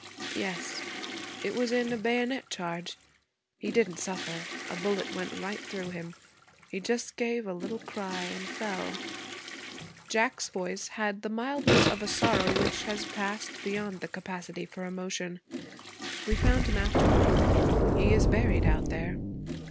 'Yes. It was in a bayonet charge. He didn't suffer. A bullet went right through him. He just gave a little cry and fell.' Jack's voice had the mildness of a sorrow which has passed beyond the capacity for emotion. 'We found him afterwards. He is buried out there.'